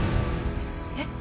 えっ？